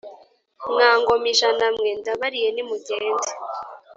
mwa ngomijanamwe ndabariye nimugende.